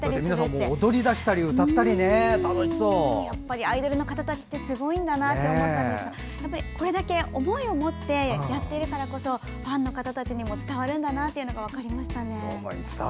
皆さん踊り出したりアイドルの方たちってすごいなって思ったんですがこれだけ思いを持ってやっているからこそファンの方たちにも伝わるんだなと分かりましたね。